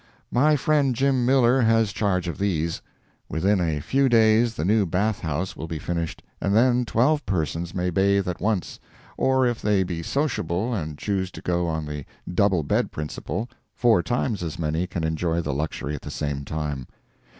My friend Jim Miller has charge of these. Within a few days the new bath house will be finished, and then twelve persons may bathe at once, or if they be sociable and choose to go on the double bed principle, four times as many can enjoy the luxury at the same time.